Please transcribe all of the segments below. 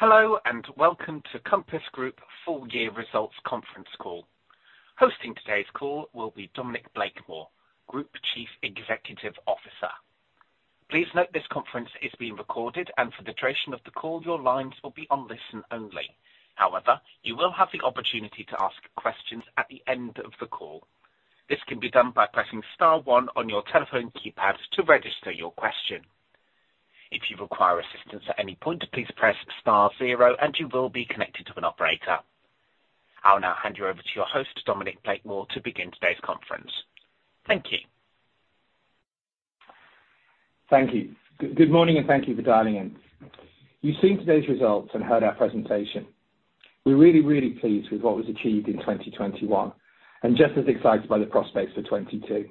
Hello, and welcome to Compass Group full year results conference call. Hosting today's call will be Dominic Blakemore, Group Chief Executive Officer. Please note this conference is being recorded and for the duration of the call, your lines will be on listen only. However, you will have the opportunity to ask questions at the end of the call. This can be done by pressing star one on your telephone keypad to register your question. If you require assistance at any point, please press star zero and you will be connected to an operator. I'll now hand you over to your host, Dominic Blakemore, to begin today's conference. Thank you. Thank you. Good morning and thank you for dialing in. You've seen today's results and heard our presentation. We're really, really pleased with what was achieved in 2021, and just as excited by the prospects for 2022.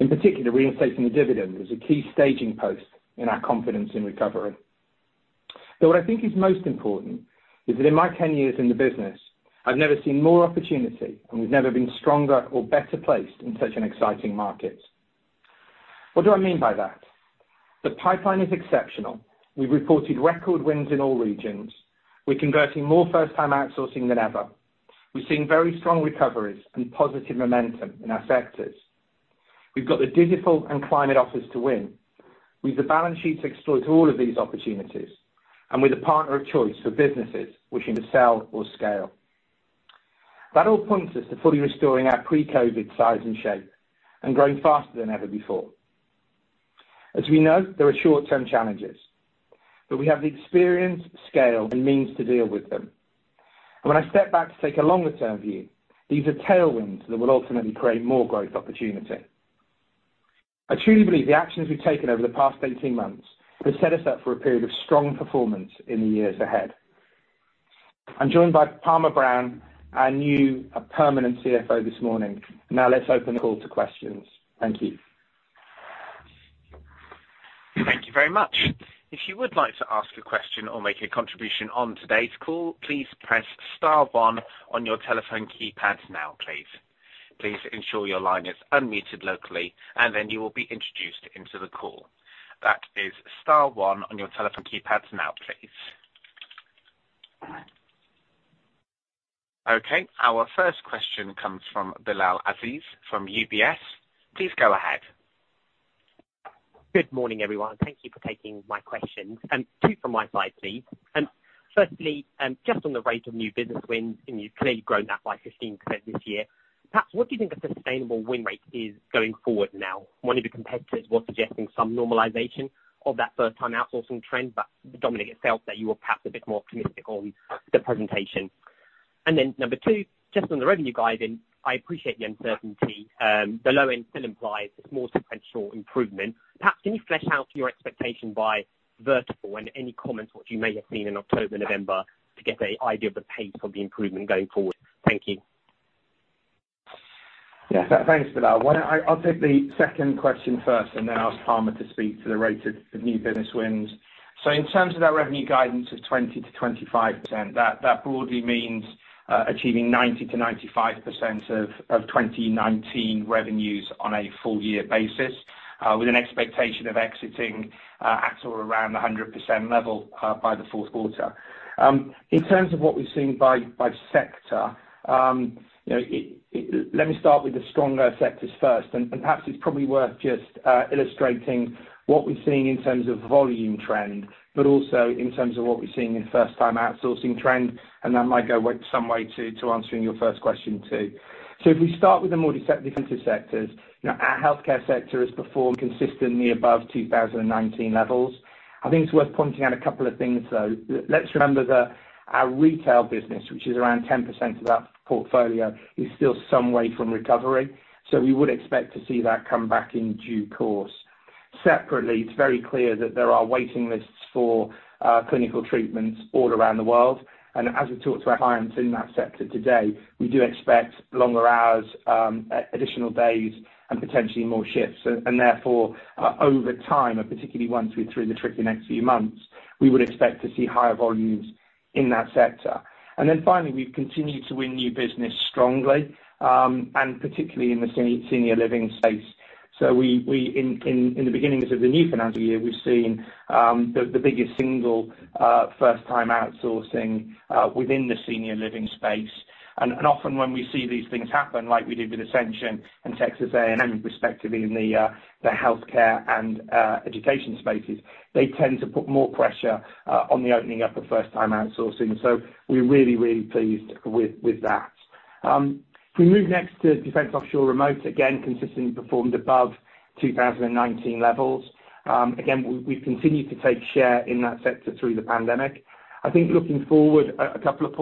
In particular, reinforcing the dividend was a key staging post in our confidence in recovery. Though what I think is most important is that in my 10 years in the business, I've never seen more opportunity, and we've never been stronger or better placed in such an exciting market. What do I mean by that? The pipeline is exceptional. We've reported record wins in all regions. We're converting more first time outsourcing than ever. We're seeing very strong recoveries and positive momentum in our sectors. We've got the digital and climate offers to win. We've the balance sheet to exploit all of these opportunities, and we're the partner of choice for businesses wishing to sell or scale. That all points us to fully restoring our pre-COVID size and shape and growing faster than ever before. As we know, there are short-term challenges, but we have the experience, scale, and means to deal with them. When I step back to take a longer term view, these are tailwinds that will ultimately create more growth opportunity. I truly believe the actions we've taken over the past 18 months have set us up for a period of strong performance in the years ahead. I'm joined by Palmer Brown, our new permanent CFO this morning, now let's open the call to questions. Thank you. Thank you very much. If you would like to ask a question or make a contribution on today's call, please press star one on your telephone keypad now, please. Please ensure your line is unmuted locally, and then you will be introduced into the call. That is star one on your telephone keypad now, please. Okay, our first question comes from Bilal Aziz from UBS. Please go ahead. Good morning, everyone. Thank you for taking my questions, two from my side, please. Firstly, just on the rate of new business wins, and you've clearly grown that by 15% this year. Perhaps what do you think a sustainable win rate is going forward now? One of your competitors was suggesting some normalization of that first time outsourcing trend, but Dominic, it felt that you were perhaps a bit more optimistic on the presentation. Then number two, just on the revenue guidance, I appreciate the uncertainty. The low end still implies a small sequential improvement. Perhaps can you flesh out your expectation by vertical and any comments what you may have seen in October, November to get an idea of the pace of the improvement going forward? Thank you. Yeah. Thanks, Bilal. Why don't I'll take the second question first and then ask Palmer to speak to the rate of new business wins. In terms of our revenue guidance of 20%-25%, that broadly means achieving 90%-95% of 2019 revenues on a full year basis, with an expectation of exiting at or around the 100% level by the fourth quarter. In terms of what we've seen by sector, you know, it. Let me start with the stronger sectors first. Perhaps it's probably worth just illustrating what we're seeing in terms of volume trend, but also in terms of what we're seeing in first time outsourcing trend, and that might go some way to answering your first question, too. If we start with the more defensive sectors, you know, our healthcare sector has performed consistently above 2019 levels. I think it's worth pointing out a couple of things, though. Let's remember that our retail business, which is around 10% of that portfolio, is still some way from recovery. We would expect to see that come back in due course. Separately, it's very clear that there are waiting lists for clinical treatments all around the world. As we talk to our clients in that sector today, we do expect longer hours, additional days and potentially more shifts. Therefore, over time, and particularly once we're through the tricky next few months, we would expect to see higher volumes in that sector. Then finally, we've continued to win new business strongly, and particularly in the Senior Living space. We in the beginnings of the new financial year, we've seen the biggest single first time outsourcing within the senior living space. Often when we see these things happen, like we did with Ascension and Texas A&M, respectively, in the healthcare and education spaces, they tend to put more pressure on the opening up of first time outsourcing. We're really pleased with that. If we move next to defense offshore remote, again, consistently performed above 2019 levels. Again, we've continued to take share in that sector through the pandemic. I think looking forward, a couple of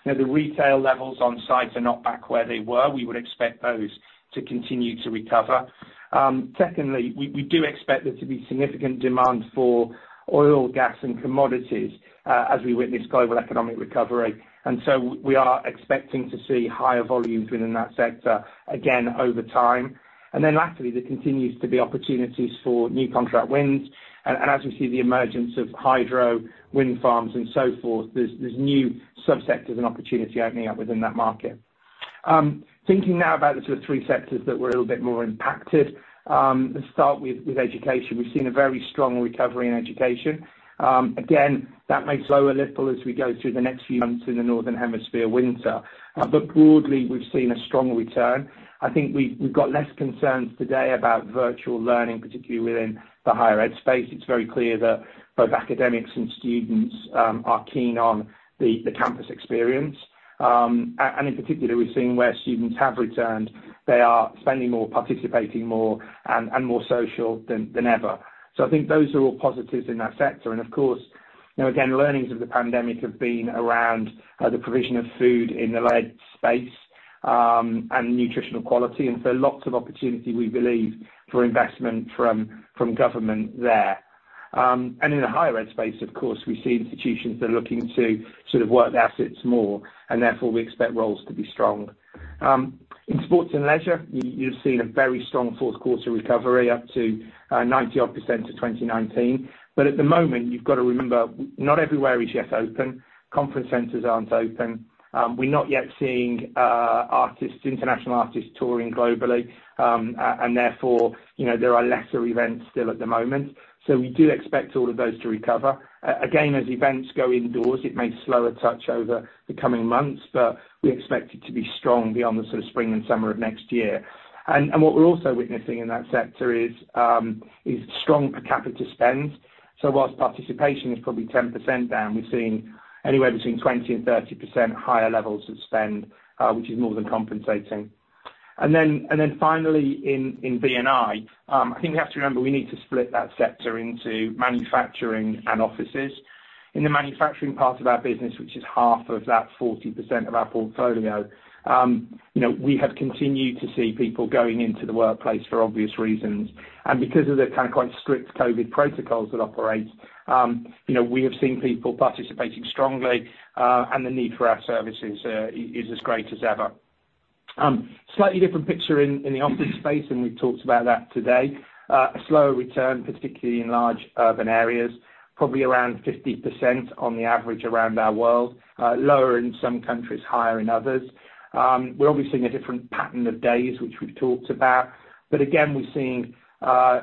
points. Again, you know, the retail levels on site are not back where they were, we would expect those to continue to recover. Secondly, we do expect there to be significant demand for oil, gas, and commodities, as we witness global economic recovery. We are expecting to see higher volumes within that sector again over time. Lastly, there continues to be opportunities for new contract wins. As we see the emergence of hydro, wind farms and so forth, there's new subsectors and opportunity opening up within that market. Thinking now about the sort of three sectors that were a little bit more impacted, let's start with education. We've seen a very strong recovery in education. Again, that may slow a little as we go through the next few months in the Northern Hemisphere winter. Broadly, we've seen a strong return. I think we've got less concerns today about virtual learning, particularly within the higher ed space. It's very clear that both academics and students are keen on the campus experience. In particular, we've seen where students have returned, they are spending more, participating more and more social than ever. I think those are all positives in that sector. Of course, you know, again, learnings of the pandemic have been around the provision of food in the ed space and nutritional quality. Lots of opportunity, we believe, for investment from government there. In the higher ed space, of course, we see institutions that are looking to sort of work their assets more, and therefore we expect roles to be strong. In Sports and Leisure, you've seen a very strong fourth quarter recovery, up to 90-odd% of 2019. At the moment, you've got to remember, not everywhere is yet open. Conference centers aren't open. We're not yet seeing artists, international artists touring globally, and therefore, you know, there are lesser events still at the moment. We do expect all of those to recover. Again, as events go indoors, it may slow a touch over the coming months, but we expect it to be strong beyond the sort of spring and summer of next year. What we're also witnessing in that sector is strong per capita spend. Whilst participation is probably 10% down, we're seeing anywhere between 20%-30% higher levels of spend, which is more than compensating. Then finally in B&I think we have to remember, we need to split that sector into manufacturing and offices. In the manufacturing part of our business, which is half of that 40% of our portfolio, you know, we have continued to see people going into the workplace for obvious reasons. Because of the kind of quite strict COVID protocols that operate, you know, we have seen people participating strongly, and the need for our services is as great as ever. Slightly different picture in the office space, and we've talked about that today. A slower return, particularly in large urban areas, probably around 50% on the average around our world. Lower in some countries, higher in others. We're obviously in a different pattern of days, which we've talked about. Again, we're seeing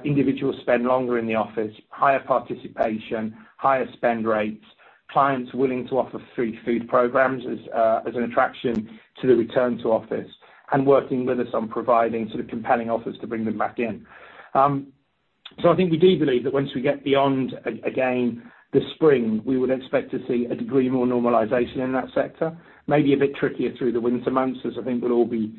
individuals spend longer in the office, higher participation, higher spend rates, clients willing to offer free food programs as an attraction to the return to office and working with us on providing sort of compelling offers to bring them back in. I think we do believe that once we get beyond again, the spring, we would expect to see a degree more normalization in that sector, maybe a bit trickier through the winter months, as I think we'll all be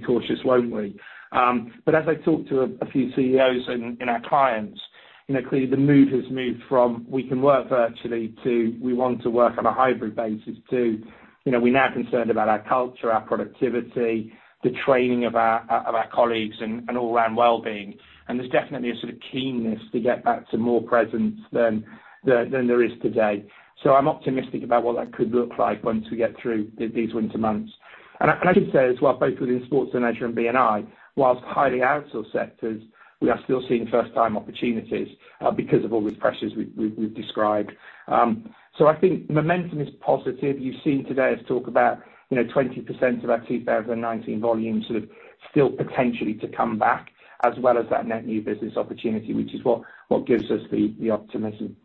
cautious, won't we? As I talk to a few CEOs and our clients, you know, clearly the mood has moved from we can work virtually to we want to work on a hybrid basis to, you know, we're now concerned about our culture, our productivity, the training of our colleagues and all around well-being. There's definitely a sort of keenness to get back to more presence than there is today. I'm optimistic about what that could look like once we get through these winter months. I can say as well, both within Sports and Leisure and B&I, while highly outsourced sectors, we are still seeing first-time opportunities because of all these pressures we've described. I think momentum is positive. You've seen today us talk about, you know, 20% of our 2019 volume sort of still potentially to come back, as well as that net new business opportunity, which is what gives us the optimism.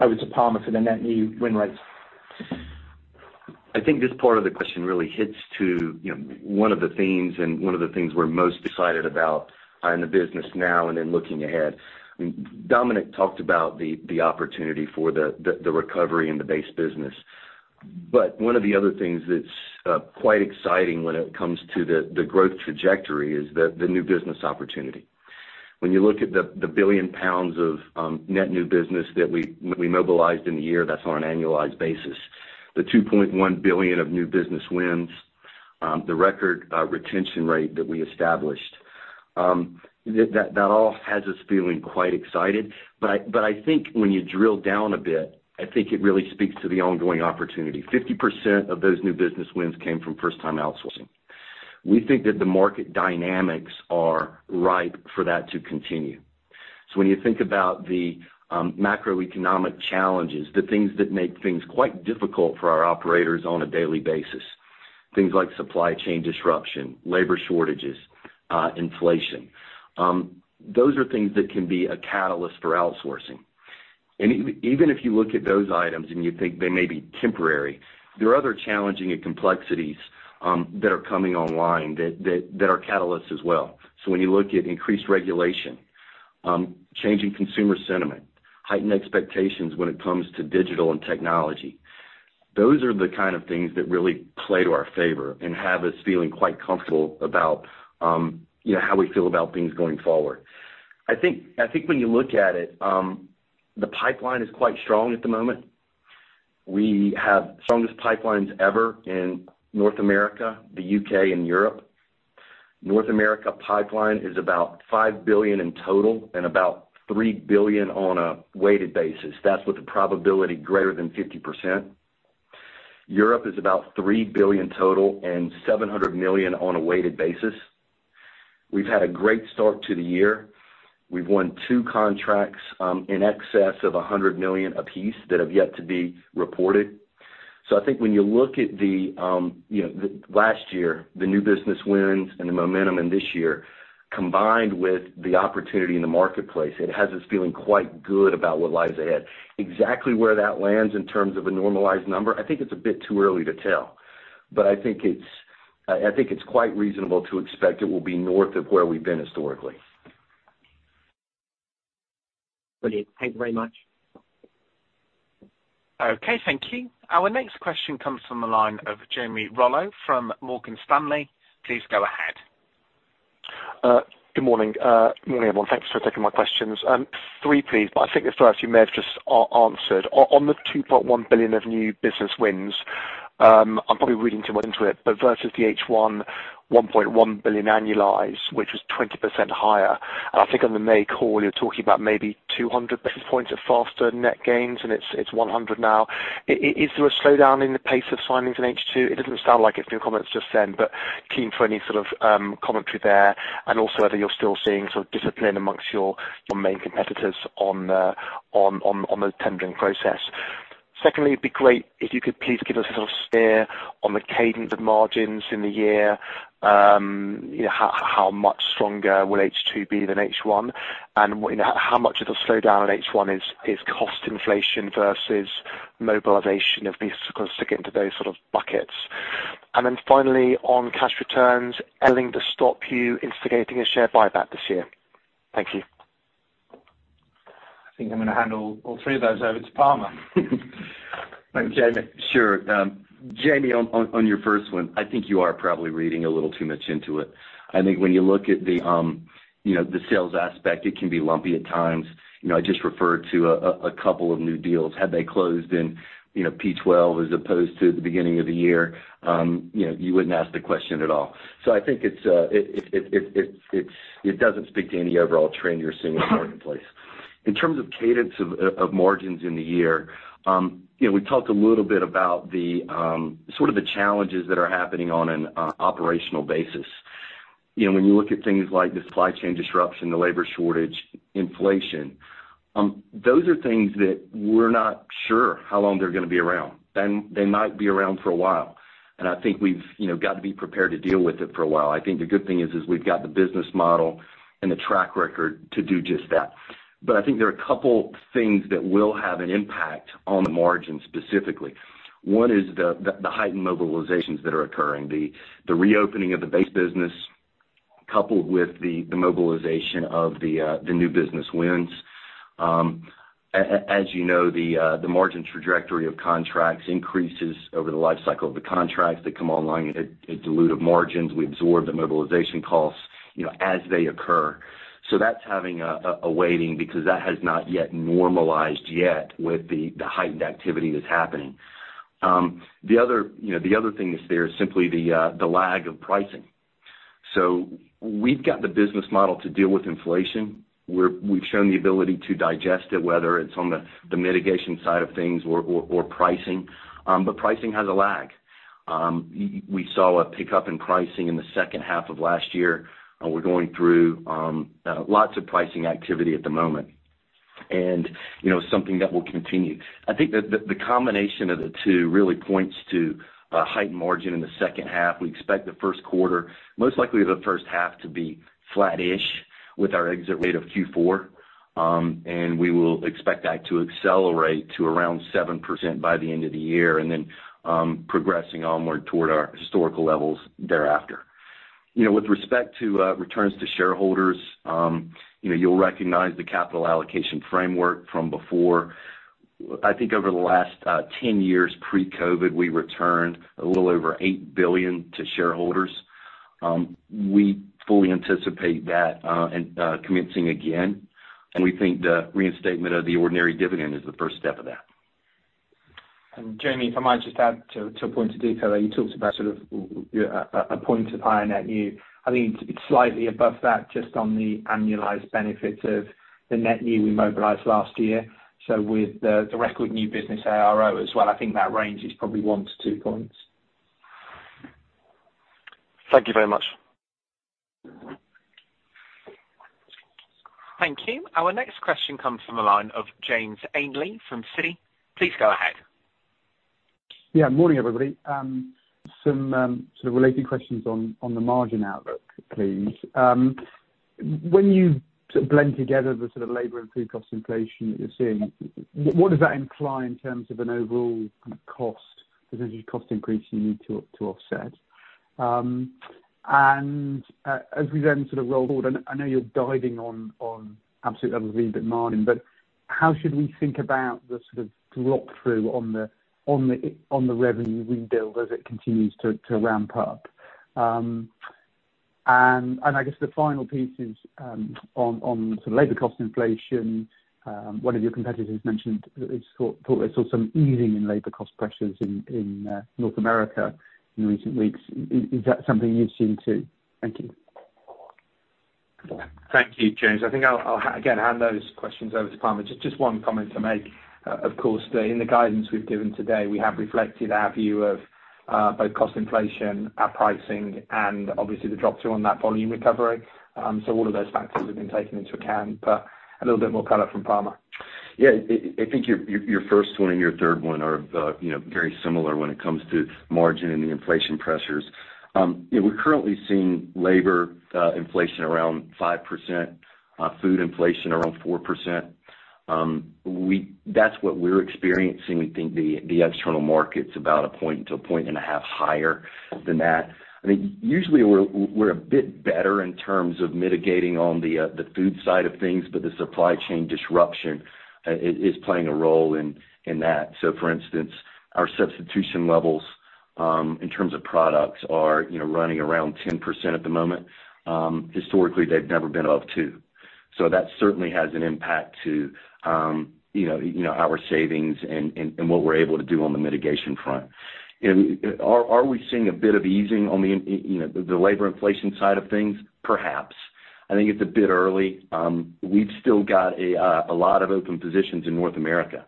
Over to Palmer for the net new win rates. I think this part of the question really hits to, you know, one of the themes and one of the things we're most excited about, in the business now and then looking ahead. Dominic talked about the opportunity for the recovery in the base business. One of the other things that's quite exciting when it comes to the growth trajectory is the new business opportunity. When you look at the 1 billion pounds of net new business that we mobilized in the year, that's on an annualized basis, the 2.1 billion of new business wins, the record retention rate that we established, that all has us feeling quite excited. I think when you drill down a bit, I think it really speaks to the ongoing opportunity. 50% of those new business wins came from first-time outsourcing. We think that the market dynamics are ripe for that to continue. When you think about the macroeconomic challenges, the things that make things quite difficult for our operators on a daily basis, things like supply chain disruption, labor shortages, inflation, those are things that can be a catalyst for outsourcing. Even if you look at those items and you think they may be temporary, there are other challenges and complexities that are coming online that are catalysts as well. When you look at increased regulation, changing consumer sentiment, heightened expectations when it comes to digital and technology, those are the kind of things that really play to our favor and have us feeling quite comfortable about, you know, how we feel about things going forward. I think when you look at it, the pipeline is quite strong at the moment. We have strongest pipelines ever in North America, the U.K. and Europe. North America pipeline is about 5 billion in total and about 3 billion on a weighted basis. That's with the probability greater than 50%. Europe is about 3 billion total and 700 million on a weighted basis. We've had a great start to the year. We've won two contracts, in excess of 100 million apiece that have yet to be reported. I think when you look at the, you know, the last year, the new business wins and the momentum in this year, combined with the opportunity in the marketplace, it has us feeling quite good about what lies ahead. Exactly where that lands in terms of a normalized number, I think it's a bit too early to tell. I think it's quite reasonable to expect it will be north of where we've been historically. Brilliant. Thank you very much. Okay, thank you. Our next question comes from the line of Jamie Rollo from Morgan Stanley. Please go ahead. Good morning, everyone. Thanks for taking my questions. Three, please, but I think the first you may have just answered. On the 2.1 billion of new business wins, I'm probably reading too much into it, but versus the H1 1.1 billion annualized, which was 20% higher, and I think on the May call you were talking about maybe 200 basis points of faster net gains, and it's 100 now. Is there a slowdown in the pace of signings in H2? It doesn't sound like it from your comments just then, but keen for any sort of commentary there, and also whether you're still seeing sort of discipline amongst your main competitors on the tendering process. Secondly, it'd be great if you could please give us a sort of steer on the cadence of margins in the year. You know, how much stronger will H2 be than H1? How much of the slowdown in H1 is cost inflation versus mobilization, sticking to those sort of buckets. Finally, on cash returns, anything to stop you instigating a share buyback this year? Thank you. I think I'm gonna hand all three of those over to Palmer. Thanks, Jamie. Sure. Jamie, on your first one, I think you are probably reading a little too much into it. I think when you look at the, you know, the sales aspect, it can be lumpy at times. You know, I just referred to a couple of new deals. Had they closed in, you know, P12 as opposed to the beginning of the year, you know, you wouldn't ask the question at all. So I think it doesn't speak to any overall trend you're seeing in the marketplace. In terms of cadence of margins in the year, you know, we talked a little bit about the sort of the challenges that are happening on an operational basis. You know, when you look at things like the supply chain disruption, the labor shortage, inflation, those are things that we're not sure how long they're gonna be around. They might be around for a while, and I think we've, you know, got to be prepared to deal with it for a while. I think the good thing is we've got the business model and the track record to do just that. I think there are a couple things that will have an impact on the margin specifically. One is the heightened mobilizations that are occurring, the reopening of the base business coupled with the mobilization of the new business wins. As you know, the margin trajectory of contracts increases over the life cycle of the contracts that come online. It dilutes margins, we absorb the mobilization costs, you know, as they occur. That's having a weighting because that has not yet normalized yet with the heightened activity that's happening. You know, the other thing is there's simply the lag of pricing. We've got the business model to deal with inflation. We've shown the ability to digest it, whether it's on the mitigation side of things or pricing. Pricing has a lag. We saw a pickup in pricing in the second half of last year. We're going through lots of pricing activity at the moment and, you know, something that will continue. I think the combination of the two really points to a heightened margin in the second half. We expect the first quarter, most likely the first half, to be flat-ish with our exit rate of Q4. We will expect that to accelerate to around 7% by the end of the year and then progressing onward toward our historical levels thereafter. You know, with respect to returns to shareholders, you know, you'll recognize the capital allocation framework from before. I think over the last 10 years pre-COVID, we returned a little over 8 billion to shareholders. We fully anticipate that and commencing again, and we think the reinstatement of the ordinary dividend is the first step of that. Jamie, if I might just add to a point of detail there. You talked about sort of a point of higher net new. I think it's slightly above that just on the annualized benefits of the net new we mobilized last year. With the record new business ARO as well, I think that range is probably one to two points. Thank you very much. Thank you. Our next question comes from the line of James Ainley from Citi. Please go ahead. Yeah. Morning, everybody. Some sort of related questions on the margin outlook, please. When you sort of blend together the sort of labor and food cost inflation that you're seeing, what does that imply in terms of an overall kind of cost, potentially cost increase you need to offset? As we then sort of roll forward, and I know you're guiding on absolute level lead margin, but how should we think about the sort of drop-through on the revenue rebuild as it continues to ramp up? I guess the final piece is on sort of labor cost inflation, one of your competitors mentioned they saw, thought they saw some easing in labor cost pressures in North America in recent weeks. Is that something you've seen too? Thank you. Thank you, James. I think I'll hand those questions over to Palmer. Just one comment to make. Of course, in the guidance we've given today, we have reflected our view of both cost inflation, our pricing, and obviously the drop-through on that volume recovery. All of those factors have been taken into account, but a little bit more color from Palmer. I think your first one and your third one are very similar when it comes to margin and the inflation pressures. We're currently seeing labor inflation around 5%, food inflation around 4%. That's what we're experiencing. We think the external market's about 1%-1.5% higher than that. I mean, usually we're a bit better in terms of mitigating on the food side of things, but the supply chain disruption is playing a role in that. For instance, our substitution levels in terms of products are running around 10% at the moment. Historically, they've never been above 2%. That certainly has an impact to, you know, our savings and what we're able to do on the mitigation front. Are we seeing a bit of easing on the, you know, the labor inflation side of things? Perhaps. I think it's a bit early. We've still got a lot of open positions in North America.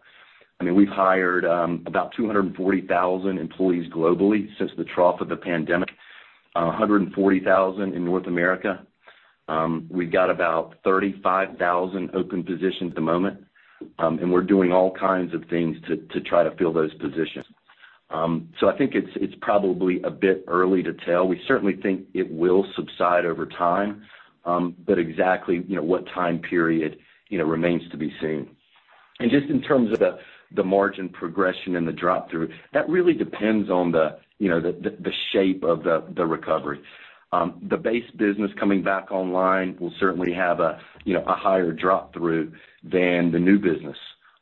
I mean, we've hired about 240,000 employees globally since the trough of the pandemic, 140,000 in North America. We've got about 35,000 open positions at the moment, and we're doing all kinds of things to try to fill those positions. So I think it's probably a bit early to tell. We certainly think it will subside over time, but exactly what time period remains to be seen. Just in terms of the margin progression and the drop-through, that really depends on the shape of the recovery. The base business coming back online will certainly have a higher drop-through than the new business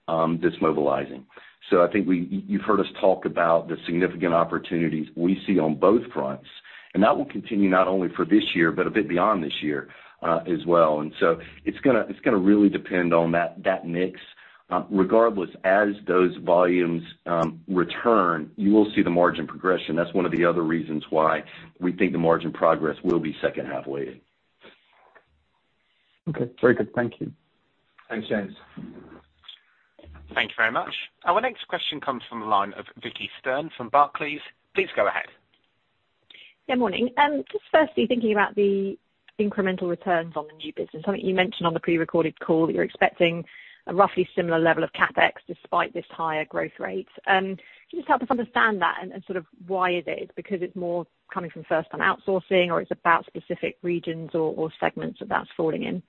that's mobilizing. I think you've heard us talk about the significant opportunities we see on both fronts, and that will continue not only for this year, but a bit beyond this year, as well. It's gonna really depend on that mix. Regardless, as those volumes return, you will see the margin progression. That's one of the other reasons why we think the margin progress will be second half weighted. Okay. Very good. Thank you. Thanks, James. Thank you very much. Our next question comes from the line of Vicki Stern from Barclays. Please go ahead. Yeah. Morning. Just firstly, thinking about the incremental returns on the new business, I think you mentioned on the prerecorded call that you're expecting a roughly similar level of CapEx despite this higher growth rate. Can you just help us understand that and sort of why is it? Is it because it's more coming from first-time outsourcing or it's about specific regions or segments that that's falling in?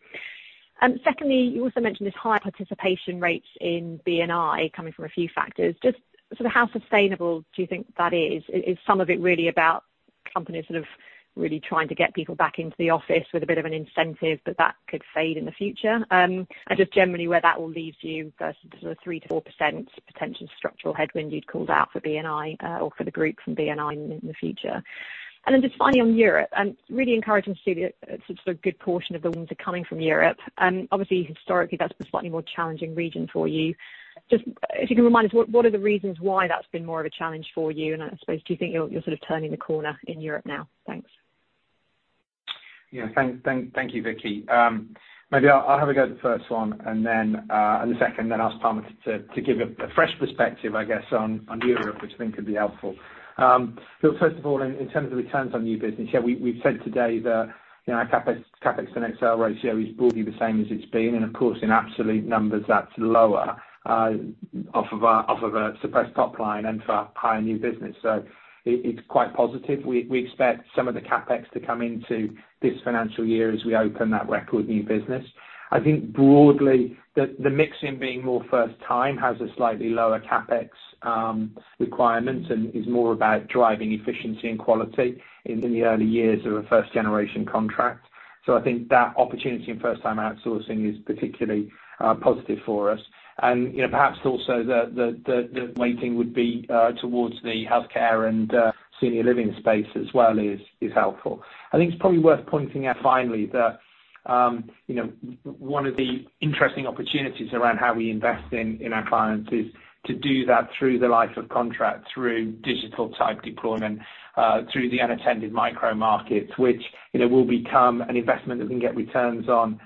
Secondly, you also mentioned this higher participation rates in B&I coming from a few factors. Just sort of how sustainable do you think that is? Is some of it really about companies sort of really trying to get people back into the office with a bit of an incentive, but that could fade in the future? Just generally where that all leaves you versus the 3%-4% potential structural headwind you'd called out for B&I, or for the group from B&I in the future. Then just finally on Europe, really encouraging to see that sort of good portion of the wins are coming from Europe. Obviously, historically, that's a slightly more challenging region for you. Just if you can remind us, what are the reasons why that's been more of a challenge for you? I suppose, do you think you're sort of turning the corner in Europe now? Thanks. Yeah. Thank you, Vicki. Maybe I'll have a go at the first one and then the second, then ask Palmer to give a fresh perspective, I guess, on Europe, which I think could be helpful. Look, first of all, in terms of the returns on new business, yeah, we've said today that, you know, our CapEx and sales ratio is broadly the same as it's been. Of course, in absolute numbers, that's lower off of a suppressed top line and for our higher new business. So it's quite positive. We expect some of the CapEx to come into this financial year as we open that record new business. I think broadly the mix in being more first time has a slightly lower CapEx requirement and is more about driving efficiency and quality in the early years of a first generation contract. I think that opportunity in first time outsourcing is particularly positive for us. You know, perhaps also the weighting would be towards the healthcare and senior living space as well is helpful. I think it's probably worth pointing out finally that, you know, one of the interesting opportunities around how we invest in our clients is to do that through the life of contract, through digital type deployment, through the unattended micro markets, which, you know, will become an investment that we can get returns on,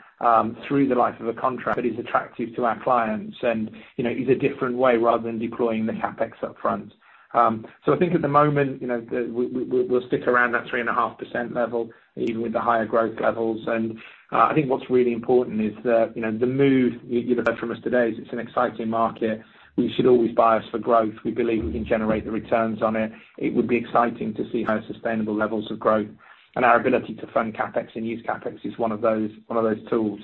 through the life of a contract that is attractive to our clients and, you know, is a different way rather than deploying the CapEx up front. So I think at the moment, you know, we'll stick around that 3.5% level, even with the higher growth levels. I think what's really important is that, you know, the move you've heard from us today is it's an exciting market, we should always buy us for growth. We believe we can generate the returns on it. It would be exciting to see how sustainable levels of growth and our ability to fund CapEx and use CapEx is one of those tools.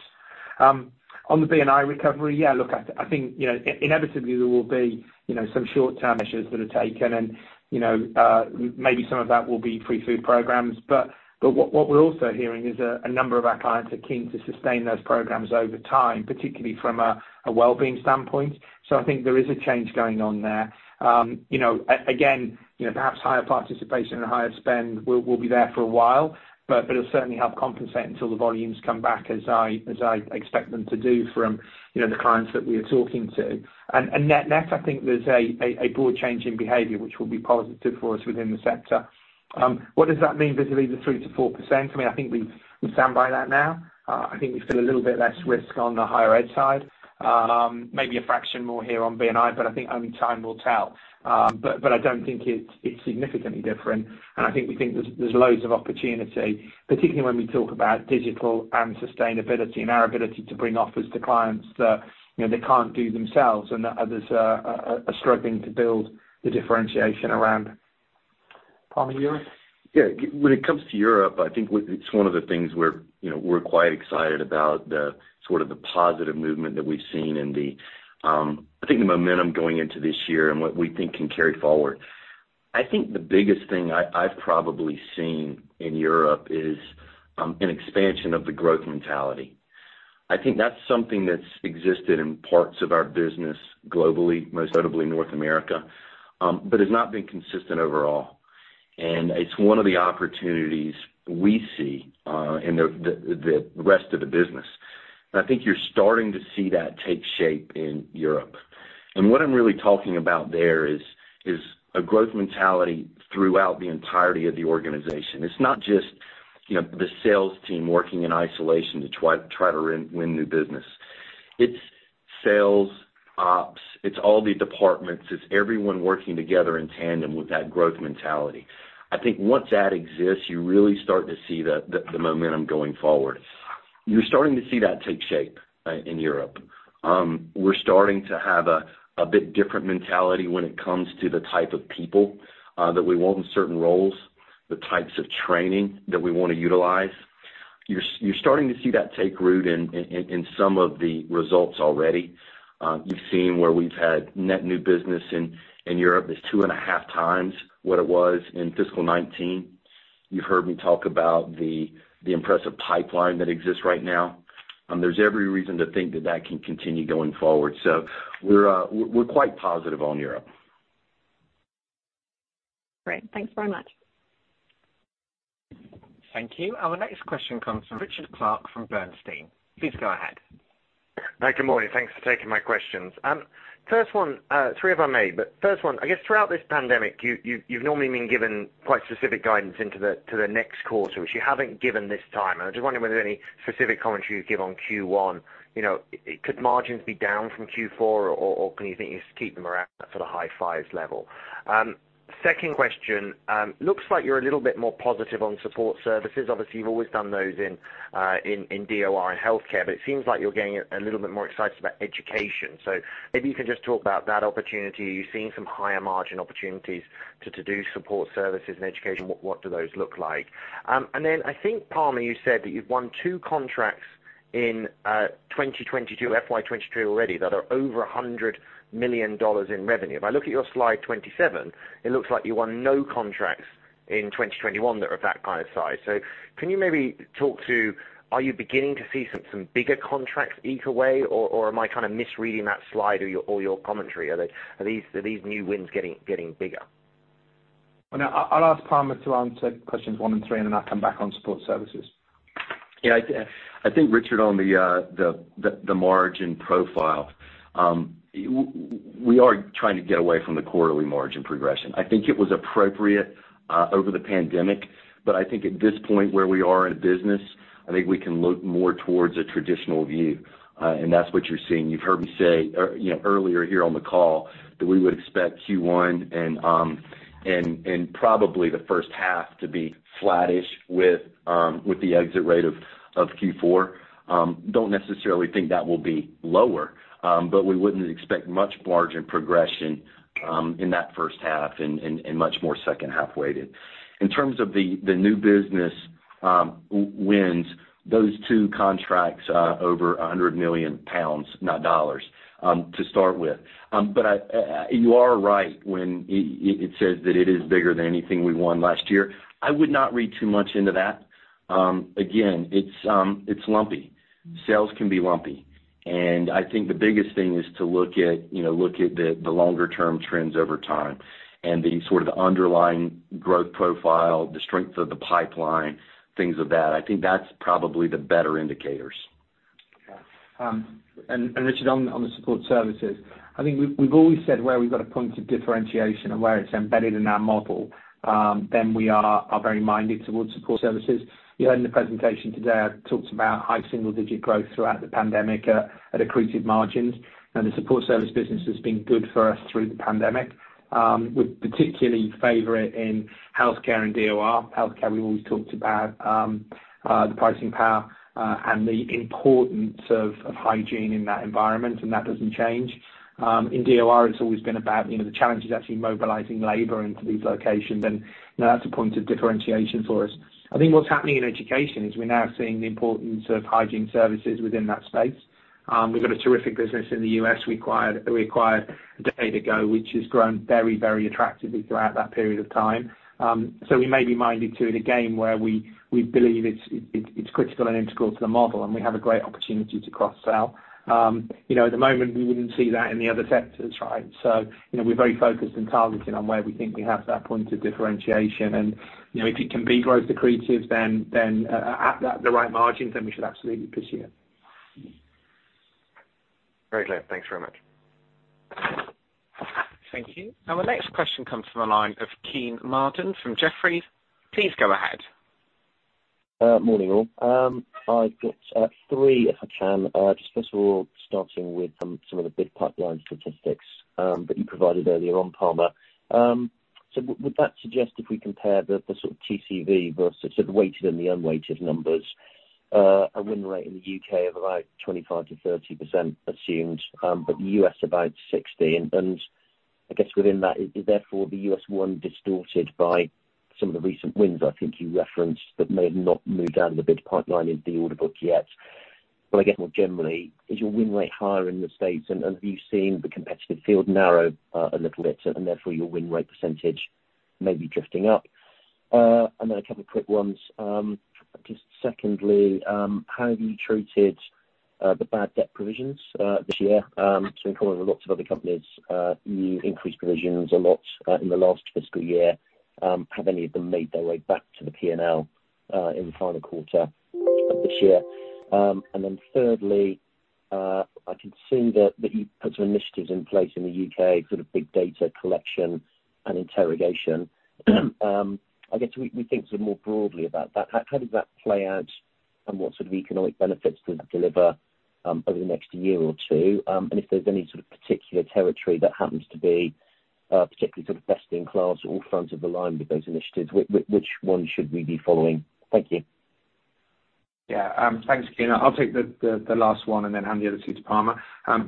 On the B&I recovery, yeah, look, I think, you know, inevitably there will be, you know, some short-term measures that are taken and, you know, maybe some of that will be free food programs. What we're also hearing is a number of our clients are keen to sustain those programs over time, particularly from a wellbeing standpoint. I think there is a change going on there. You know, again, you know, perhaps higher participation and higher spend will be there for a while, but it'll certainly help compensate until the volumes come back as I expect them to do from, you know, the clients that we are talking to. Net, I think there's a broad change in behavior which will be positive for us within the sector. What does that mean vis-a-vis the 3%-4%? I mean, I think we stand by that now. I think we feel a little bit less risk on the higher ed side. Maybe a fraction more here on B&I, but I think only time will tell. I don't think it's significantly different, and I think we think there's loads of opportunity, particularly when we talk about digital and sustainability and our ability to bring offers to clients that, you know, they can't do themselves and that others are struggling to build the differentiation around. Palmer, you? Yeah. When it comes to Europe, I think it's one of the things we're, you know, we're quite excited about the sort of the positive movement that we've seen and the, I think, the momentum going into this year and what we think can carry forward. I think the biggest thing I've probably seen in Europe is an expansion of the growth mentality. I think that's something that's existed in parts of our business globally, most notably North America, but has not been consistent overall. It's one of the opportunities we see in the rest of the business. I think you're starting to see that take shape in Europe. What I'm really talking about there is a growth mentality throughout the entirety of the organization. It's not just, you know, the sales team working in isolation to try to win new business. It's sales, ops, it's all the departments, it's everyone working together in tandem with that growth mentality. I think once that exists, you really start to see the momentum going forward. You're starting to see that take shape in Europe. We're starting to have a bit different mentality when it comes to the type of people that we want in certain roles, the types of training that we wanna utilize. You're starting to see that take root in some of the results already. You've seen where we've had net new business in Europe is 2.5x what it was in fiscal 2019. You heard me talk about the impressive pipeline that exists right now, and there's every reason to think that that can continue going forward. We're quite positive on Europe. Great. Thanks very much. Thank you. Our next question comes from Richard Clarke from Bernstein. Please go ahead. Hi, good morning. Thanks for taking my questions. First one, three if I may, but first one, I guess throughout this pandemic, you've normally been given quite specific guidance into the next quarter, which you haven't given this time. I'm just wondering whether there's any specific commentary you'd give on Q1. You know, could margins be down from Q4 or can you think you keep them around that sort of high five level? Second question, looks like you're a little bit more positive on support services. Obviously, you've always done those in DOR and healthcare, but it seems like you're getting a little bit more excited about education. Maybe you can just talk about that opportunity. Are you seeing some higher margin opportunities to do support services and education? What do those look like? I think, Palmer, you said that you've won two contracts in 2022, FY 2022 already that are over $100 million in revenue. If I look at your slide 27, it looks like you won no contracts in 2021 that are of that kind of size. Can you maybe talk to are you beginning to see some bigger contracts either way, or am I kind of misreading that slide or your commentary? Are these new wins getting bigger? Well, no, I'll ask Palmer to answer questions one and three, and then I'll come back on support services. Yeah, I think Richard, on the margin profile, we are trying to get away from the quarterly margin progression. I think it was appropriate over the pandemic, but I think at this point where we are in business, I think we can look more towards a traditional view, and that's what you're seeing. You've heard me say, you know, earlier here on the call that we would expect Q1 and probably the first half to be flattish with the exit rate of Q4. Don't necessarily think that will be lower, but we wouldn't expect much margin progression in that first half and much more second half weighted. In terms of the new business wins, those two contracts are over 100 million pounds, not dollars, to start with. You are right when it says that it is bigger than anything we won last year. I would not read too much into that. Again, it's lumpy. Sales can be lumpy. I think the biggest thing is to look at the longer term trends over time and the sort of underlying growth profile, the strength of the pipeline, things of that. I think that's probably the better indicators. Richard, on the support services, I think we've always said where we've got a point of differentiation and where it's embedded in our model, then we are very minded towards support services. You heard in the presentation today, I talked about high single digit growth throughout the pandemic at accretive margins, and the support service business has been good for us through the pandemic. We particularly favor it in healthcare and DOR. Healthcare, we've always talked about the pricing power and the importance of hygiene in that environment, and that doesn't change. In DOR, it's always been about, you know, the challenge is actually mobilizing labor into these locations, and, you know, that's a point of differentiation for us. I think what's happening in education is we're now seeing the importance of hygiene services within that space. We've got a terrific business in the U.S. we acquired a day ago, which has grown very, very attractively throughout that period of time. We may be minded to it again where we believe it's critical and integral to the model, and we have a great opportunity to cross sell. You know, at the moment, we wouldn't see that in the other sectors, right? You know, we're very focused and targeting on where we think we have that point of differentiation. You know, if it can be growth accretive, then at the right margins, then we should absolutely pursue it. Very clear. Thanks very much. Thank you. Now the next question comes from the line of Kean Marden from Jefferies. Please go ahead. Morning, all. I've got three if I can. Just first of all, starting with some of the big pipeline statistics that you provided earlier on, Palmer. So would that suggest if we compare the sort of TCV versus the weighted and the unweighted numbers a win rate in the U.K. of about 25%-30% assumed, but U.S. about 16%. I guess within that is therefore the U.S. one distorted by some of the recent wins I think you referenced that may have not moved down the bid pipeline into the order book yet. I guess more generally, is your win rate higher in the States and have you seen the competitive field narrow a little bit and therefore your win rate percentage may be drifting up? A couple of quick ones. Just secondly, how have you treated the bad debt provisions this year? In common with lots of other companies, you increased provisions a lot in the last fiscal year. Have any of them made their way back to the P&L in the final quarter of this year? Thirdly, I can see that you put some initiatives in place in the U.K., sort of big data collection and interrogation. I guess we think sort of more broadly about that. How does that play out and what sort of economic benefits does it deliver over the next year or two? If there's any sort of particular territory that happens to be particularly sort of best in class or front of the line with those initiatives, which one should we be following? Thank you. Yeah. Thanks, Kean. I'll take the last one and then hand the other two to Palmer.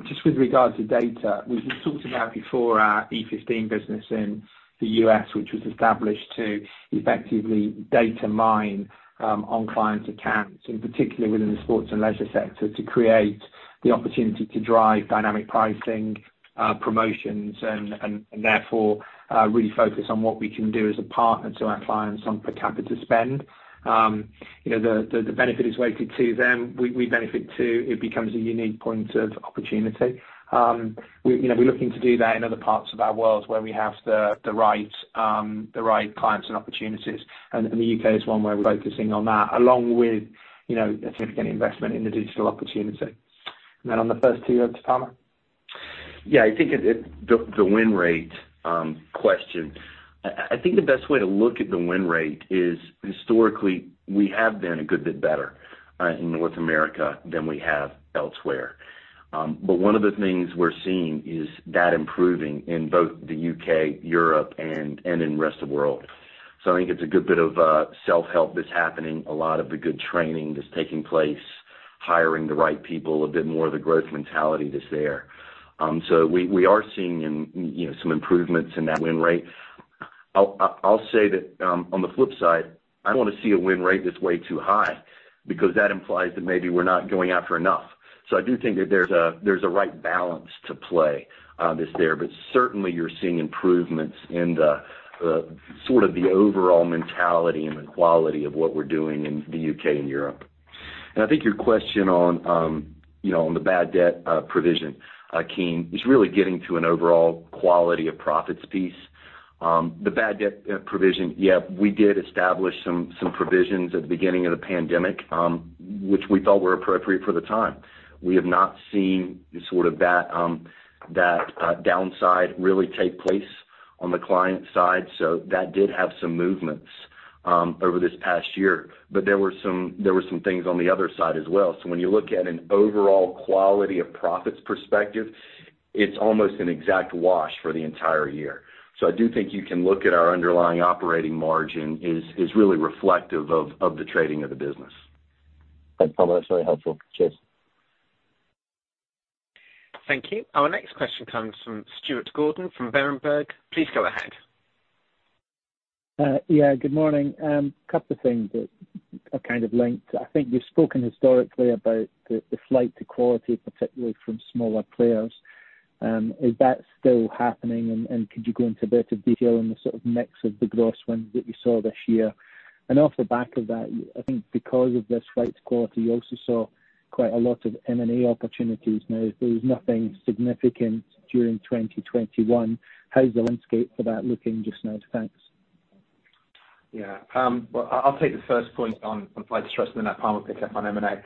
Just with regards to data, we talked about before our E15 business in the U.S., which was established to effectively data mine on clients accounts, and sports and leisure sector, to create the opportunity to drive dynamic pricing, promotions and therefore really focus on what we can do as a partner to our clients on per capita spend. You know, the benefit is weighted to them. We benefit too. It becomes a unique point of opportunity. You know, we're looking to do that in other parts of our world where we have the right clients and opportunities. The U.K. is one where we're focusing on that along with, you know, a significant investment in the digital opportunity. Then on the first two over to Palmer. Yeah, I think the win rate question. I think the best way to look at the win rate is historically, we have been a good bit better in North America than we have elsewhere. One of the things we're seeing is that's improving in both the U.K., Europe and in rest of world. I think it's a good bit of self-help that's happening, a lot of the good training that's taking place, hiring the right people, a bit more of the growth mentality that's there. We are seeing, you know, some improvements in that win rate. I'll say that, on the flip side, I don't wanna see a win rate that's way too high because that implies that maybe we're not going after enough. I do think that there's a right balance to play, that's there. Certainly you're seeing improvements in the sort of overall mentality and the quality of what we're doing in the U.K. and Europe. I think your question on, you know, on the bad debt provision, Kean, is really getting to an overall quality of profits piece. The bad debt provision, yeah, we did establish some provisions at the beginning of the pandemic, which we thought were appropriate for the time. We have not seen the sort of downside really take place on the client side. That did have some movements over this past year. There were some things on the other side as well. When you look at an overall quality of profits perspective, it's almost an exact wash for the entire year. I do think you can look at our underlying operating margin is really reflective of the trading of the business. Thanks, Palmer. That's really helpful. Cheers. Thank you. Our next question comes from Stuart Gordon from Berenberg. Please go ahead. Yeah, good morning. A couple of things that are kind of linked. I think you've spoken historically about the flight to quality, particularly from smaller players. Is that still happening? Could you go into a bit of detail on the sort of mix of the gross wins that you saw this year? Off the back of that, I think because of this flight to quality, you also saw quite a lot of M&A opportunities. If there was nothing significant during 2021, how's the landscape for that looking just now? Thanks. Yeah. Well, I'll take the first point on flight to trust and then have Palmer pick up on M&A.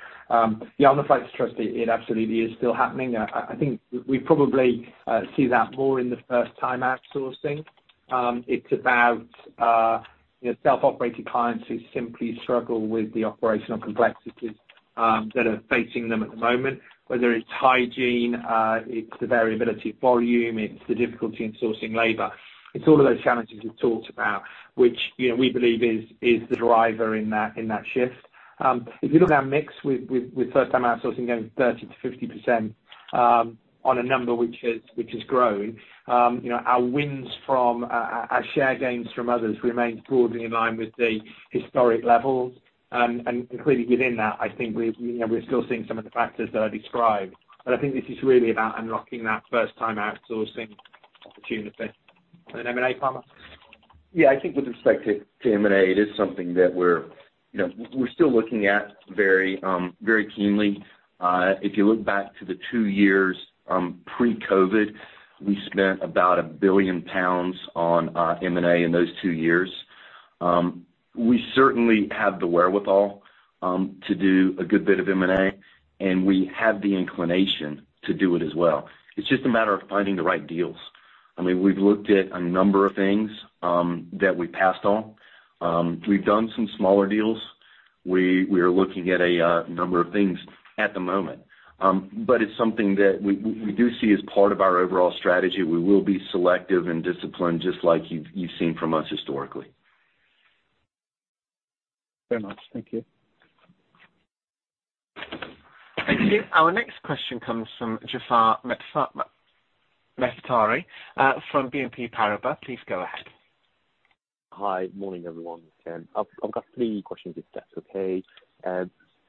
Yeah, on the flight to trust, it absolutely is still happening. I think we probably see that more in the first time outsourcing. It's about, you know, self-operated clients who simply struggle with the operational complexities that are facing them at the moment, whether it's hygiene, it's the variability of volume, it's the difficulty in sourcing labor. It's all of those challenges we've talked about, which, you know, we believe is the driver in that shift. If you look at our mix with first time outsourcing going 30%-50%, on a number which has grown, you know, our wins from our share gains from others remains broadly in line with the historic levels. Clearly within that, I think we, you know, we're still seeing some of the factors that I described, but I think this is really about unlocking that first time outsourcing opportunity. Then M&A, Palmer? Yeah. I think with respect to M&A, it is something that we're, you know, we're still looking at very keenly. If you look back to the two years pre-COVID, we spent about 1 billion pounds on M&A in those two years. We certainly have the wherewithal to do a good bit of M&A, and we have the inclination to do it as well. It's just a matter of finding the right deals. I mean, we've looked at a number of things that we passed on. We've done some smaller deals. We are looking at a number of things at the moment. It's something that we do see as part of our overall strategy. We will be selective and disciplined, just like you've seen from us historically. Very much. Thank you. Thank you. Our next question comes from Jaafar Mestari, from BNP Paribas. Please go ahead. Hi. Morning, everyone. I've got three questions, if that's okay.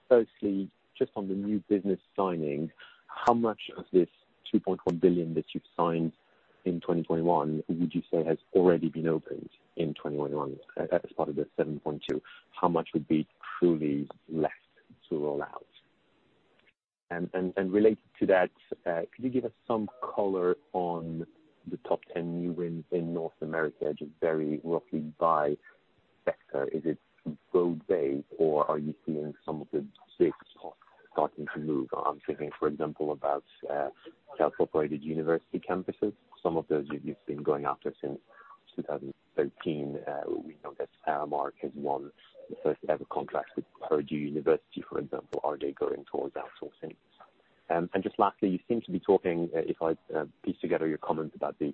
Firstly, just on the new business signing, how much of this 2.1 billion that you've signed in 2021 would you say has already been opened in 2021 as part of the 7.2? How much would be truly left to roll out? Related to that, could you give us some color on the top ten new wins in North America, just very roughly by sector? Is it broad base, or are you seeing some of the bigs starting to move? I'm thinking, for example, about self-operated university campuses. Some of those you've been going after since 2013. We know that Aramark has won the first ever contract with Purdue University, for example. Are they going towards outsourcing? Just lastly, you seem to be talking, if I piece together your comments about the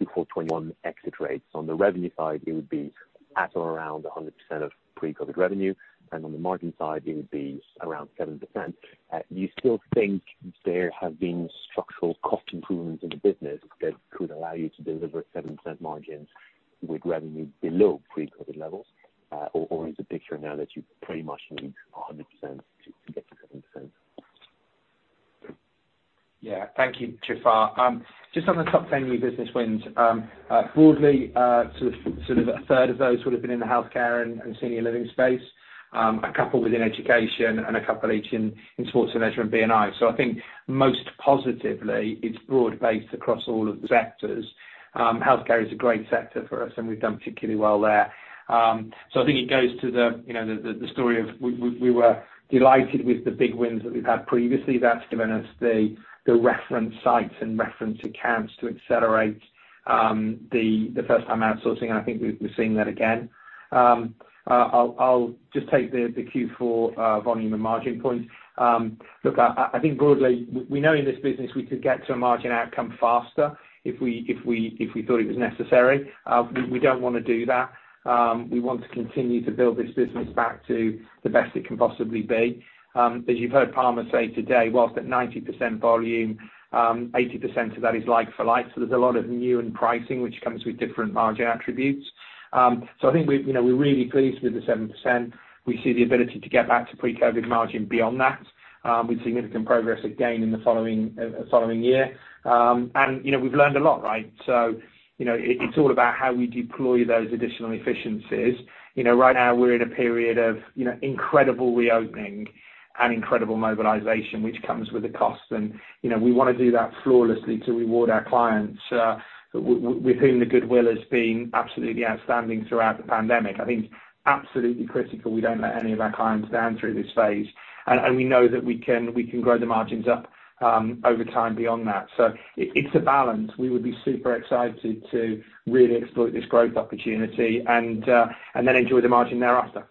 Q4 2021 exit rates. On the revenue side, it would be at or around 100% of pre-COVID revenue, and on the margin side, it would be around 7%. Do you still think there have been structural cost improvements in the business that could allow you to deliver 7% margins with revenue below pre-COVID levels, or is the picture now that you pretty much need 100% to get to 7%? Yeah. Thank you, Jaafar. Just on the top 10 new business wins, broadly, sort of a third of those would have been in the healthcare and senior living space, a couple within education and a couple each in Sports & Leisure and B&I. I think most positively, it's broad-based across all of the sectors. Healthcare is a great sector for us, and we've done particularly well there. So I think it goes to the, you know, the story of we were delighted with the big wins that we've had previously. That's given us the reference sites and reference accounts to accelerate the first time outsourcing. I think we're seeing that again. I'll just take the Q4 volume and margin points. Look, I think broadly we know in this business we could get to a margin outcome faster if we thought it was necessary. We don't wanna do that. We want to continue to build this business back to the best it can possibly be. As you've heard Palmer say today, whilst at 90% volume, 80% of that is like-for-like, so there's a lot of new in pricing which comes with different margin attributes. So I think we've, you know, we're really pleased with the 7%. We see the ability to get back to pre-COVID margin beyond that, with significant progress again in the following year. You know, we've learned a lot, right? So, you know, it's all about how we deploy those additional efficiencies. You know, right now we're in a period of, you know, incredible reopening and incredible mobilization, which comes with a cost, and, you know, we wanna do that flawlessly to reward our clients, with whom the goodwill has been absolutely outstanding throughout the pandemic. I think it's absolutely critical we don't let any of our clients down through this phase. We know that we can grow the margins up over time beyond that. It's a balance. We would be super excited to really exploit this growth opportunity and then enjoy the margin thereafter.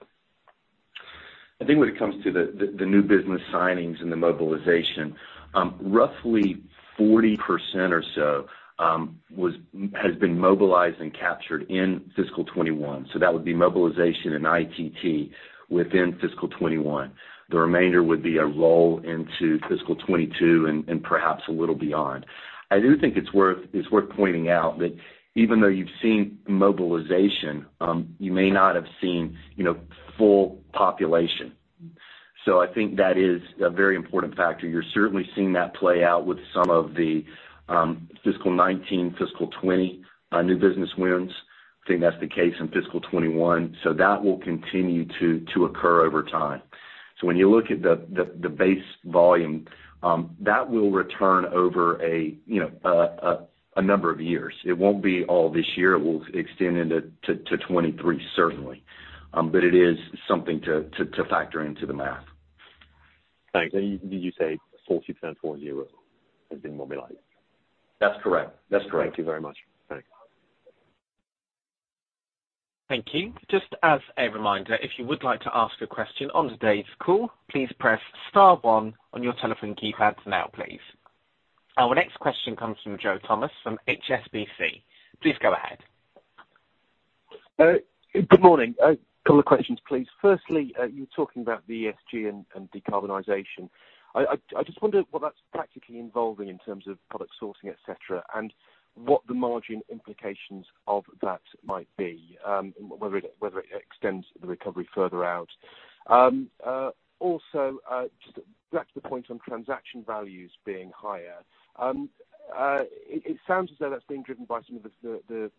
I think when it comes to the new business signings and the mobilization, roughly 40% or so has been mobilized and captured in fiscal 2021. That would be mobilization and ITT within fiscal 2021. The remainder would be a roll into fiscal 2022 and perhaps a little beyond. I do think it's worth pointing out that even though you've seen mobilization, you may not have seen, you know, full population. I think that is a very important factor. You're certainly seeing that play out with some of the fiscal 2019, fiscal 2020 new business wins. I think that's the case in fiscal 2021. That will continue to occur over time. When you look at the base volume, that will return over a number of years. It won't be all this year. It will extend into 2023 certainly. It is something to factor into the math. Thanks. Did you say 40% for you has been mobilized? That's correct. That's correct. Thank you very much. Thanks. Thank you. Just as a reminder, if you would like to ask a question on today's call, please press star one on your telephone keypads now, please. Our next question comes from Joe Thomas from HSBC. Please go ahead. Good morning. A couple of questions, please. Firstly, you were talking about the ESG and decarbonization. I just wonder what that's practically involving in terms of product sourcing, etc, and what the margin implications of that might be, whether it extends the recovery further out. Also, just back to the point on transaction values being higher, it sounds as though that's being driven by some of the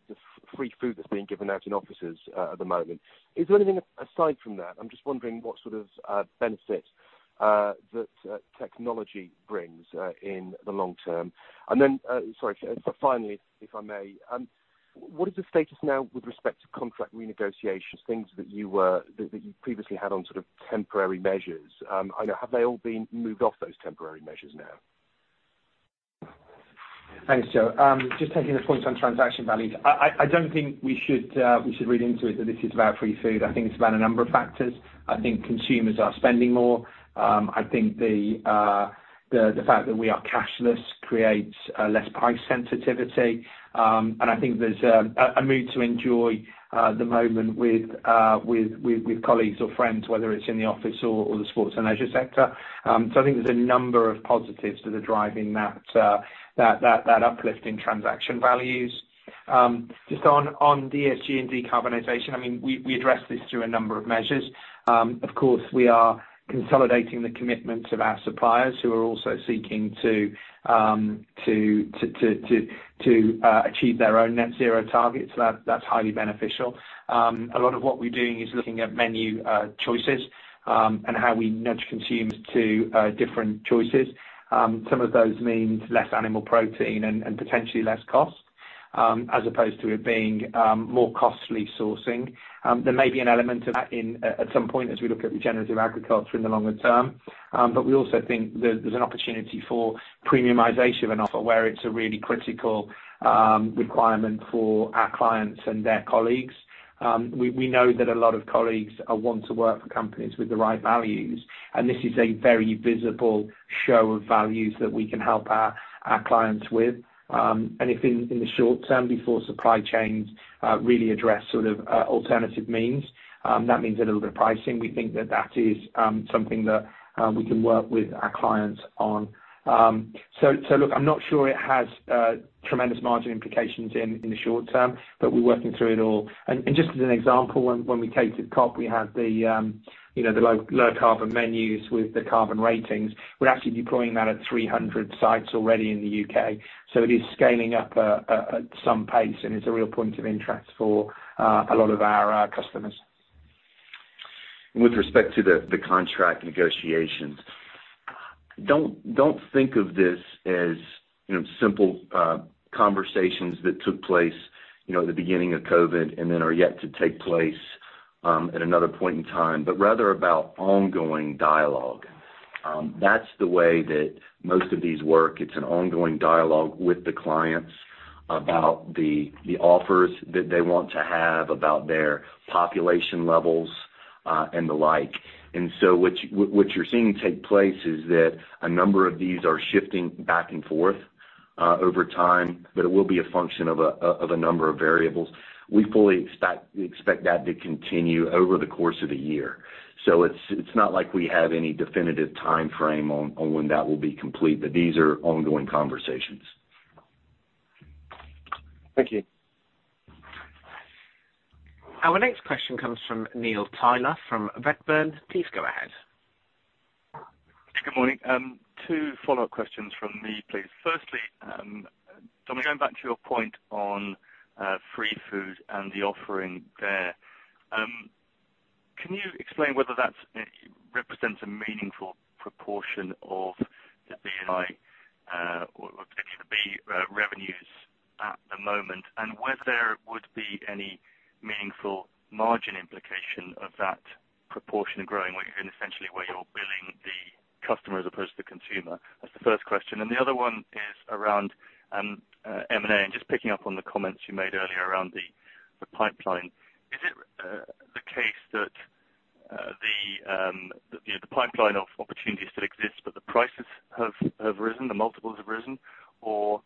free food that's being given out in offices at the moment. Is there anything, aside from that, I'm just wondering what sort of benefit that technology brings in the long term. Sorry, finally, if I may, what is the status now with respect to contract renegotiations, things that you previously had on sort of temporary measures? I know, have they all been moved off those temporary measures now? Thanks, Joe. Just taking the point on transaction values. I don't think we should read into it that this is about free food. I think it's about a number of factors. I think consumers are spending more. I think the fact that we are cashless creates less price sensitivity. And I think there's a mood to enjoy the moment with colleagues or friends, whether it's in the office or the sports and leisure sector. So I think there's a number of positives that are driving that uplift in transaction values. Just on ESG and decarbonization, I mean, we address this through a number of measures. Of course, we are consolidating the commitments of our suppliers, who are also seeking to achieve their own net zero targets. That's highly beneficial. A lot of what we're doing is looking at menu choices and how we nudge consumers to different choices. Some of those means less animal protein and potentially less cost as opposed to it being more costly sourcing. There may be an element of that in it at some point as we look at regenerative agriculture in the longer term. We also think there's an opportunity for premiumization of an offer where it's a really critical requirement for our clients and their colleagues. We know that a lot of colleagues want to work for companies with the right values, and this is a very visible show of values that we can help our clients with. If in the short term before supply chains really address sort of alternative means, that means a little bit of pricing. We think that is something that we can work with our clients on. Look, I'm not sure it has tremendous margin implications in the short term, but we're working through it all. Just as an example, when we catered COP, we had the, you know, the low carbon menus with the carbon ratings. We're actually deploying that at 300 sites already in the U.K. It is scaling up at some pace, and it's a real point of interest for a lot of our customers. With respect to the contract negotiations, don't think of this as, you know, simple conversations that took place, you know, at the beginning of COVID and then are yet to take place at another point in time, but rather about ongoing dialogue. That's the way that most of these work. It's an ongoing dialogue with the clients about the offers that they want to have, about their population levels, and the like. What you're seeing take place is that a number of these are shifting back and forth over time, but it will be a function of a number of variables. We fully expect that to continue over the course of a year. It's not like we have any definitive timeframe on when that will be complete, but these are ongoing conversations. Thank you. Our next question comes from Neil Tyler from Redburn please go ahead. Good morning. Two follow-up questions from me, please. Firstly, so going back to your point on free food and the offering there, can you explain whether that represents a meaningful proportion of the B&I or potentially the B&I revenues at the moment? Whether there would be any meaningful margin implication of that proportion growing, where you're essentially billing the customer as opposed to the consumer? That's the first question. The other one is around M&A, just picking up on the comments you made earlier around the pipeline. Is it the case that you know, the pipeline of opportunities still exists, but the prices have risen, the multiples have risen? Or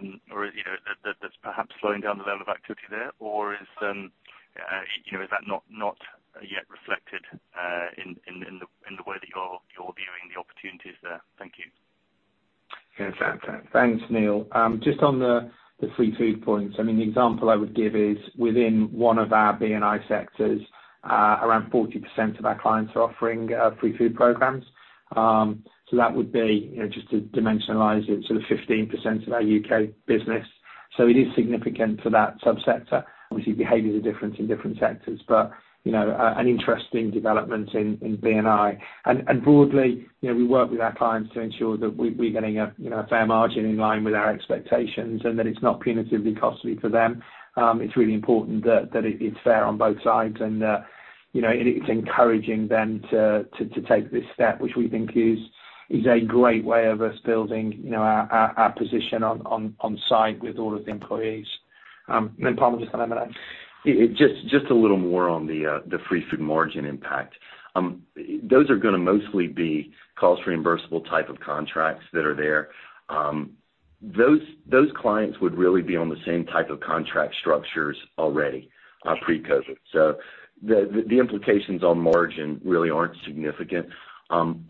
you know, that's perhaps slowing down the level of activity there? You know, is that not yet reflected in the way that you're viewing the opportunities there? Thank you. Yeah. Thanks, Neil. Just on the free food points, I mean, the example I would give is within one of our B&I sectors, around 40% of our clients are offering free food programs. So that would be, you know, just to dimensionalize it, sort of 15% of our U.K. business. So it is significant for that subsector. Obviously, behaviors are different in different sectors, but, you know, an interesting development in B&I. Broadly, you know, we work with our clients to ensure that we're getting a, you know, a fair margin in line with our expectations and that it's not punitively costly for them. It's really important that it's fair on both sides and, you know, it's encouraging them to take this step, which we think is a great way of us building, you know, our position on site with all of the employees. Palmer just on M&A. Just a little more on the free food margin impact. Those are gonna mostly be cost reimbursable type of contracts that are there. Those clients would really be on the same type of contract structures already pre-COVID. The implications on margin really aren't significant.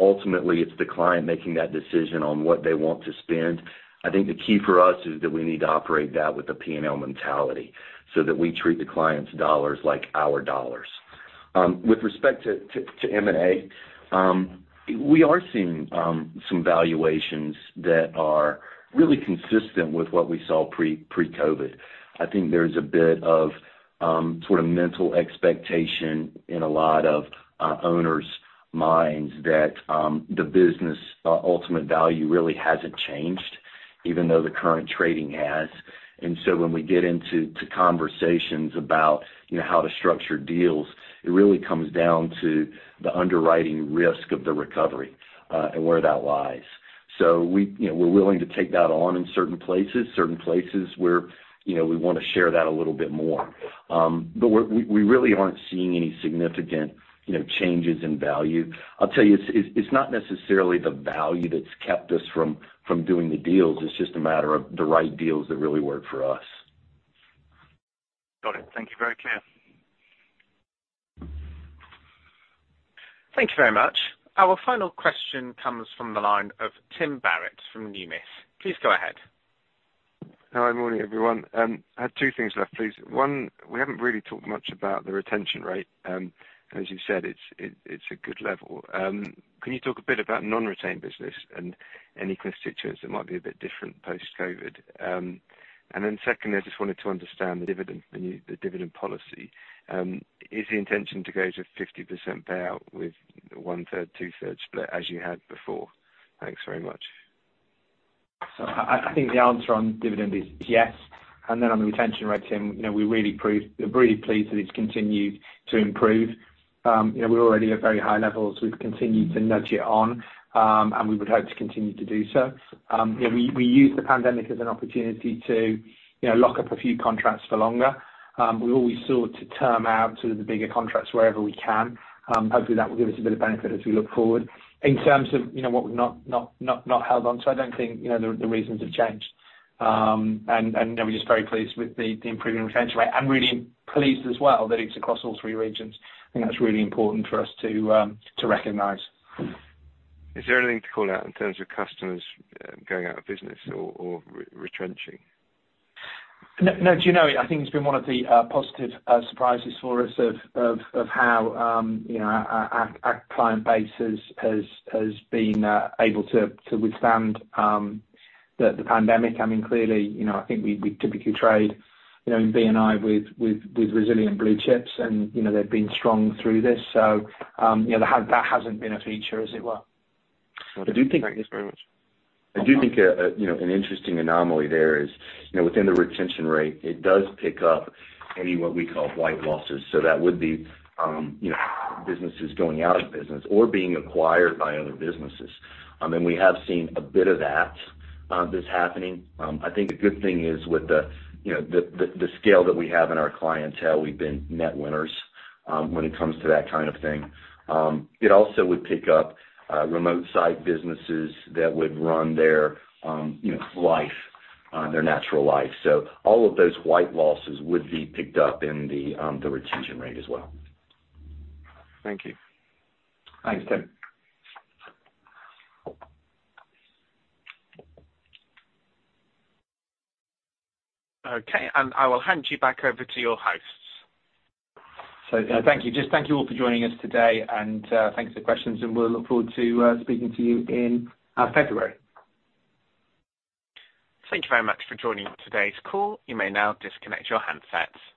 Ultimately, it's the client making that decision on what they want to spend. I think the key for us is that we need to operate that with a P&L mentality so that we treat the client's dollars like our dollars. With respect to M&A, we are seeing some valuations that are really consistent with what we saw pre-COVID. I think there's a bit of sort of mental expectation in a lot of owners' minds that the business ultimate value really hasn't changed even though the current trading has. When we get into conversations about, you know, how to structure deals, it really comes down to the underwriting risk of the recovery and where that lies. We, you know, we're willing to take that on in certain places where, you know, we wanna share that a little bit more. But we really aren't seeing any significant, you know, changes in value. I'll tell you, it's not necessarily the value that's kept us from doing the deals. It's just a matter of the right deals that really work for us. Got it. Thank you. Very clear. Thank you very much. Our final question comes from the line of Tim Barrett from Numis. Please go ahead. Hi. Morning, everyone. I have two things left, please. One, we haven't really talked much about the retention rate. As you said, it's a good level. Can you talk a bit about non-retain business and any constituents that might be a bit different post-COVID? Secondly, I just wanted to understand the dividend policy. Is the intention to go to 50% payout with 1/3, 2/3 split as you had before? Thanks very much. I think the answer on dividend is yes. On the retention rate, Tim, you know, we're really pleased that it's continued to improve. You know, we're already at very high levels. We've continued to nudge it on, and we would hope to continue to do so. You know, we used the pandemic as an opportunity to, you know, lock up a few contracts for longer. We always sought to term out sort of the bigger contracts wherever we can. Hopefully, that will give us a bit of benefit as we look forward. In terms of, you know, what we've not held on to, I don't think, you know, the reasons have changed. You know, we're just very pleased with the improving retention rate. I'm really pleased as well that it's across all three regions. I think that's really important for us to recognize. Is there anything to call out in terms of customers, going out of business or retrenching? No. Do you know what? I think it's been one of the positive surprises for us of how you know our client base has been able to withstand the pandemic. I mean, clearly, you know, I think we typically trade you know in B&I with resilient blue chips and you know they've been strong through this. You know, that hasn't been a feature as it were. Got it. I do think. Thank you very much. I do think you know, an interesting anomaly there is, you know, within the retention rate, it does pick up any, what we call, white losses. So that would be, you know, businesses going out of business or being acquired by other businesses. I mean, we have seen a bit of that this happening. I think the good thing is with the, you know, the scale that we have in our clientele, we've been net winners when it comes to that kind of thing. It also would pick up remote site businesses that would run their, you know, life, their natural life. So all of those white losses would be picked up in the retention rate as well. Thank you. Thanks, Tim. Okay, I will hand you back over to your hosts. Thank you. Just thank you all for joining us today and, thanks for the questions, and we'll look forward to speaking to you in February. Thank you very much for joining today's call. You may now disconnect your handsets.